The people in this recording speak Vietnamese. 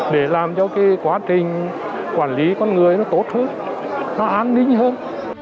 để làm cho cái quá trình quản lý con người nó tốt hơn nó an ninh hơn